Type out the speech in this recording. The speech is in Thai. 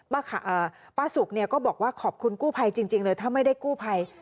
ป้าสุกเนี่ยก็บอกว่าขอบคุณกู้ภัยจริงเลยถ้าไม่ได้กู้ภัย